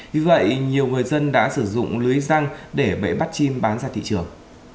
vì vậy nhiều người dân đã sử dụng lưới răng để bể bắt chim bán ra thị trường